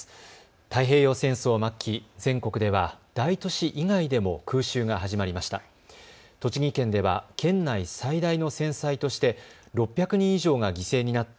太平洋戦争末期、全国では大都市以外でも空襲が始まりました。